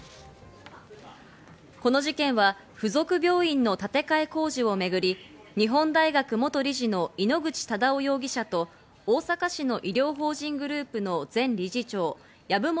この事件は附属病院の建て替え工事をめぐり、日本大学元理事の井ノ口忠男容疑者と大阪市の医療法人グループの前理事長、籔本